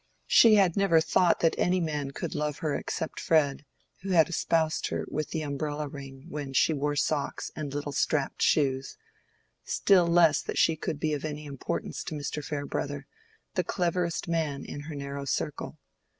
She had never thought that any man could love her except Fred, who had espoused her with the umbrella ring, when she wore socks and little strapped shoes; still less that she could be of any importance to Mr. Farebrother, the cleverest man in her narrow circle.